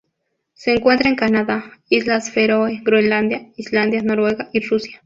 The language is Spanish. Se encuentra en Canadá, Islas Feroe, Groenlandia, Islandia, Noruega y Rusia.